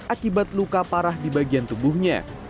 akibat luka parah di bagian tubuhnya